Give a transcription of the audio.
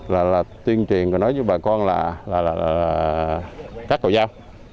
là tuyên truyền và nói với bà con là cắt cầu giao